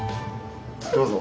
どうぞ。